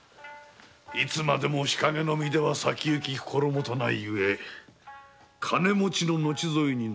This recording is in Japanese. いつまでも日かげの身では先ゆき心もとないゆえ金持ちの後添いになる。